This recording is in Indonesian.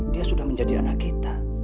dia sudah menjadi anak kita